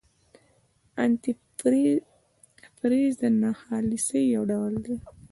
انتي فریز د ناخالصۍ یو ډول دی.